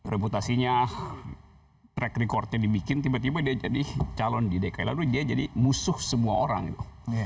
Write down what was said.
reputasinya track recordnya dibikin tiba tiba dia jadi calon di dki lalu dia jadi musuh semua orang gitu